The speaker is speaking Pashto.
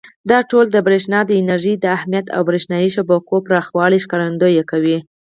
دا ټول د برېښنا د انرژۍ د اهمیت او برېښنایي شبکو پراخوالي ښکارندويي کوي.